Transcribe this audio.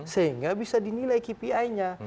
sehingga bisa dinilai kpi nya